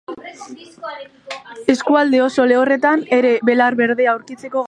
Eskualde oso lehorretan ere belar berdea aurkitzeko gai dira.